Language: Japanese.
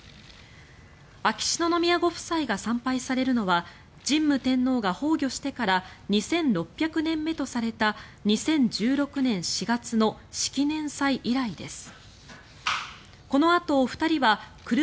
秋篠宮ご夫妻が参拝されるのは神武天皇が崩御してから２６００年目とされた２０１６年４月の式年祭以来です。